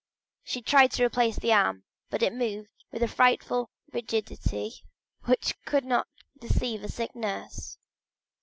She tried to replace the arm, but it moved with a frightful rigidity which could not deceive a sick nurse.